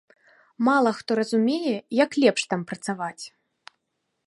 Мала хто разумее, як лепш там працаваць.